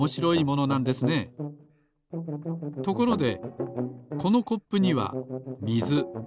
ところでこのコップにはみず。